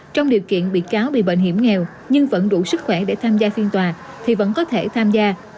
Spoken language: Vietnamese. trong điều kiện bị cáo bị bệnh hiểm nghèo nhưng vẫn đủ sức khỏe để tham gia phiên tòa thì vẫn có thể tham gia